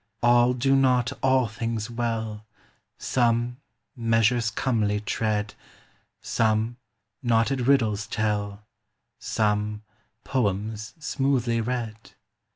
All do not all things well: Some, measures comely tread, Some, knotted riddles tell, Some, poems smoothly read.